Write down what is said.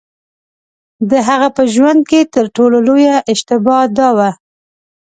د هغه په ژوند کې تر ټولو لویه اشتباه دا وه.